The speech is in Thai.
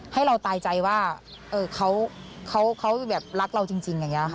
ให้เราตายใจว่าเขาแบบรักเราจริงอย่างนี้ค่ะ